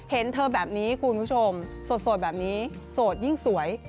เห็นเธอแบบนี้คุณผู้ชมโสดแบบนี้โสดยิ่งสวย